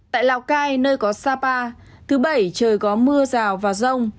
tại lào cai nơi có sapa thứ bảy trời có mưa rào và rông